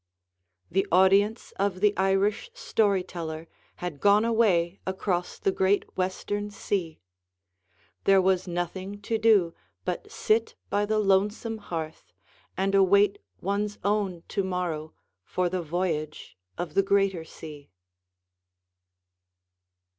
The audience of the Irish story teller had gone away across the great western sea. There was nothing to do but sit by the lonesome hearth and await one's own to morrow for the voyage of the greater sea.